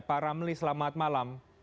pak ramli selamat malam